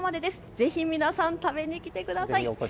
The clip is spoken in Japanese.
ぜひ皆さん食べに来てください。